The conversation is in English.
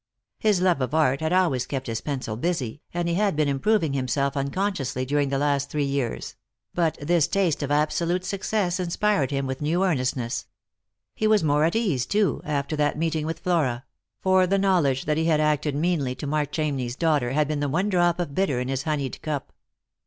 His love of art had always kept his pencil busy, and he had been improving himself unconsciously during the last three years ; but this taste of absolute success inspired him with new earnest ness. He was more at ease too, after that meeting with Flora ; for the knowledge that he had acted meanly to Mark Cham 368 Lost for Love. ney's daugher had been the one drop of bitter in his honeyed cup.